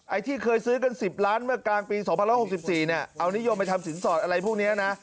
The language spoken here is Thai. ที่เคยซื้อกัน๑๐ล้านเมื่อกลางปี๒๐๖๔เนี่ยเอานิยมไปทำสินสอดอะไรพวกนี้นะ